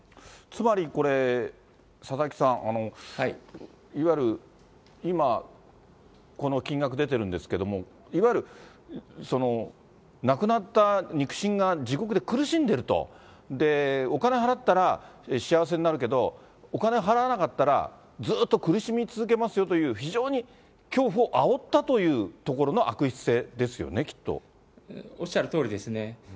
つまりこれ、佐々木さん、いわゆる今、この金額出てるんですけれども、いわゆるその、亡くなった肉親が地獄で苦しんでいると、お金払ったら、幸せになるけど、お金払わなかったら、ずっと苦しみ続けますよという、非常に恐怖をあおったというところの悪質性ですよね、おっしゃるとおりですね。